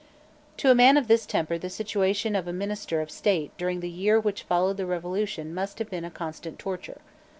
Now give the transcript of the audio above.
To a man of this temper the situation of a minister of state during the year which followed the Revolution must have been constant torture.